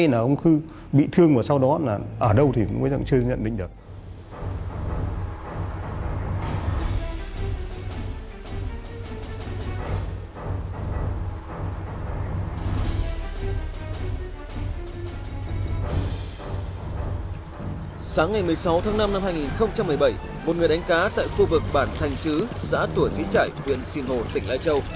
sáng ngày một mươi sáu tháng năm năm hai nghìn một mươi bảy một người đánh cá tại khu vực bản thành trứ xã tủa dĩ trải quyện sìn hồ tỉnh lai châu